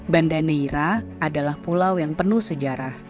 banda neira adalah pulau yang penuh sejarah